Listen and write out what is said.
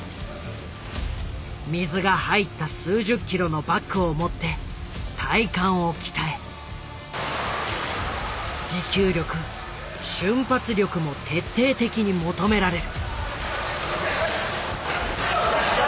水が入った数十キロのバッグを持って体幹を鍛え持久力瞬発力も徹底的に求められる。